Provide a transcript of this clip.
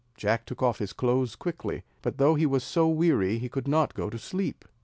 Jack took off his clothes quickly; but though he was so weary he could not go to sleep.